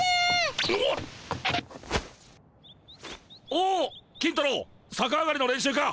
おお金太郎さか上がりの練習か。